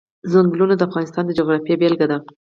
ځنګلونه د افغانستان د جغرافیې بېلګه ده.